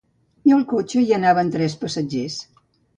I al cotxe hi anaven tres passatgers.